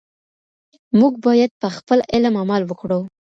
موږ باید په خپل علم عمل وکړو.